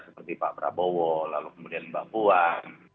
seperti pak prabowo lalu kemudian mbak puan